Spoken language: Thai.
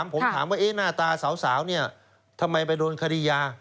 ผมถามว่าหน้าตาสาวเนี่ยทำไมไปโดนคดียา